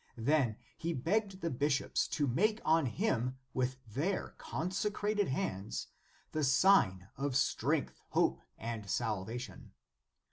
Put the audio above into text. Then he begged the bishops to make on him with their conse crated hands, the sign of strength, hope, and salvation.